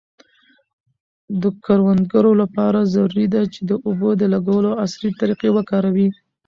د کروندګرو لپاره ضروري ده چي د اوبو د لګولو عصري طریقې وکاروي.